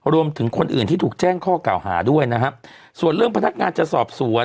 รวมถึงคนอื่นที่ถูกแจ้งข้อกล่าวหาด้วยนะครับส่วนเรื่องพนักงานจะสอบสวน